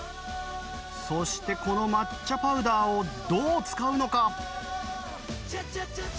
そしてこの抹茶パウダーをどう使うのか？